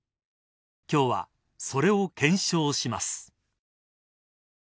今日は、それを検証します。